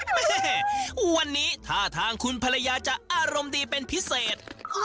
แม่วันนี้ท่าทางคุณภรรยาจะอารมณ์ดีเป็นพิเศษ